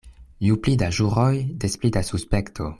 Ju pli da ĵuroj, des pli da suspekto.